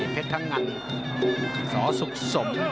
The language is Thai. เพชรพะงันสอสุกสม